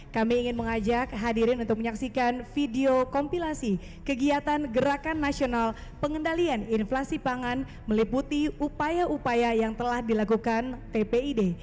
kami ingin mengajak hadirin untuk menyaksikan video kompilasi kegiatan gerakan nasional pengendalian inflasi pangan meliputi upaya upaya yang telah dilakukan tpid